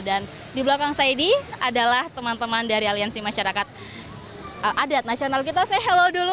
dan di belakang saya ini adalah teman teman dari aliansi masyarakat adat nasional kita say hello dulu